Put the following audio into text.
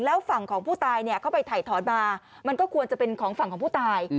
แล้วฝั่งของผู้ตายเขาไปถ่ายถอนมามันก็ควรจะเป็นของฝั่งของผู้ตาย